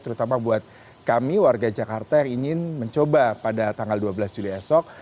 terutama buat kami warga jakarta yang ingin mencoba pada tanggal dua belas juli esok